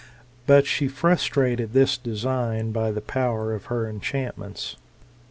But she frustrated this design by the power of her enchant ments.